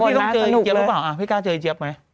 พี่นี่ต้องเจออีเจี๊ยบหรอเปล่าอ่ะพี่กล้าเจออีเจี๊ยบไหม